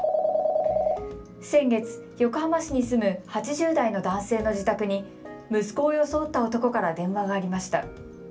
先月、横浜市に住む８０代の男性の自宅に息子を装った男から電話がありました。